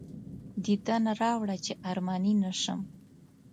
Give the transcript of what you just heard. دیدن راوړه چې ارماني نه شم.